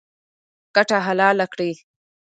ګټه حلاله کړئ